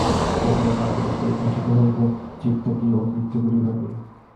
প্রথমত আমাদিগকে বুঝিতে হইবে, চিত্ত কি ও বৃত্তিগুলিই বা কি।